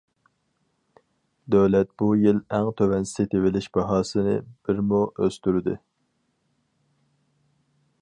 دۆلەت بۇ يىل ئەڭ تۆۋەن سېتىۋېلىش باھاسىنى بىر مو ئۆستۈردى.